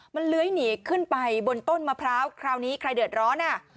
มันเลื้อยหนีขึ้นไปบนต้นมะพร้าวคราวนี้ใครเดือดร้อนอ่ะ